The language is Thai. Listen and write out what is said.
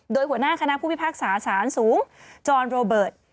โดยหัวหน้าคณะผู้พิพากษาสารสูงจรโรเบิร์ต